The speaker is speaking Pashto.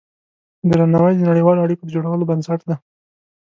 درناوی د نړیوالو اړیکو د جوړولو بنسټ دی.